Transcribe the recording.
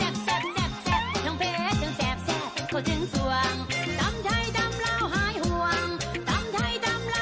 มานี่สิบอกให้